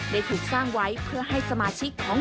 ได้ถูกสร้างไว้เพื่อให้สมาชิกของ